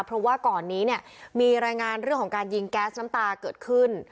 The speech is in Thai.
เพราะว่าก่อนนี้เนี่ยมีรายงานเรื่องของการยิงแก๊สน้ำตาเกิดขึ้น